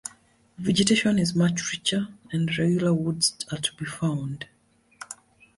Vegetation is much richer, and regular woods are to be found.